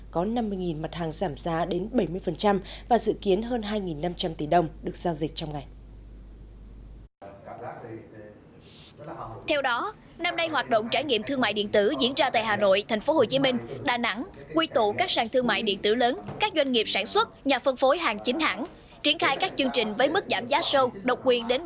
có năm mươi mặt hàng giảm giá đến bảy mươi và dự kiến hơn hai năm trăm linh tỷ đồng được giao dịch trong ngày